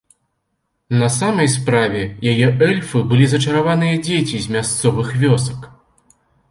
На самай справе, яе эльфы былі зачараваныя дзеці з мясцовых вёсак.